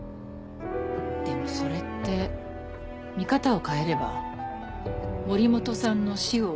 でもそれって見方を変えれば森本さんの死を。